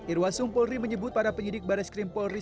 irwasung polri menyebut para penyelidik baris krim polri